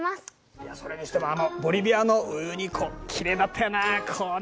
いやそれにしてもあのボリビアのウユニ湖きれいだったよな。